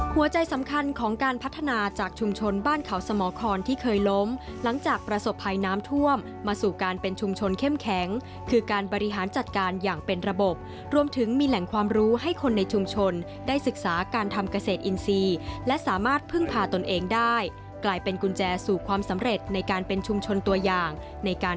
หัวใจสำคัญของการพัฒนาจากชุมชนบ้านเขาสมครที่เคยล้มหลังจากประสบภัยน้ำท่วมมาสู่การเป็นชุมชนเข้มแข็งคือการบริหารจัดการอย่างเป็นระบบรวมถึงมีแหล่งความรู้ให้คนในชุมชนได้ศึกษาการทำเกษตรอินทรีย์และสามารถพึ่งพาตนเองได้กลายเป็นกุญแจสู่ความสำเร็จในการเป็นชุมชนตัวอย่างในการ